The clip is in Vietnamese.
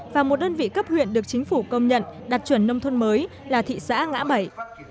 và một đơn vị cấp huyện được chính phủ công nhận đạt chuẩn nông thôn mới là thị xã ngã bảy